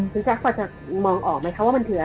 ประจะมองออกไหมคะว่ามันคืออะไร